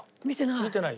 見てない。